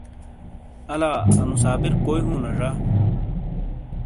الا انو صابر کوئی ہوں لا ڙا؟